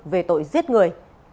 về tội giết người